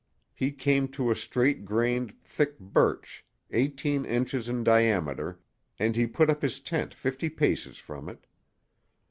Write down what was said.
He came to a straight grained, thick birch, eighteen inches in diameter, and he put up his tent fifty paces from it.